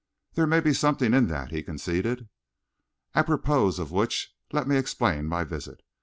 "There may be something in that," he conceded. "Apropos of which, let me explain my visit.